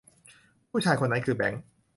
ผู้ชายคนนั้นคือแบงค์